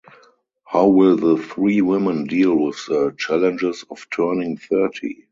How will the three women deal with the challenges of turning thirty?